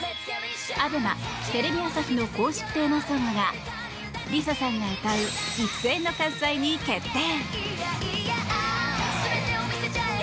ＡＢＥＭＡ・テレビ朝日の公式テーマソングがＬｉＳＡさんが歌う「一斉ノ喝采」に決定。